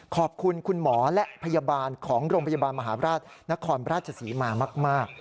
ขอบคุณคุณหมอและพยาบาลของโรงพยาบาลมหาบราชนครราชศรีมามาก